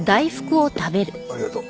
ありがとう。